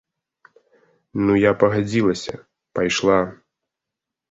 Ну я пагадзілася, пайшла.